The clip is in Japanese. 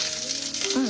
うん。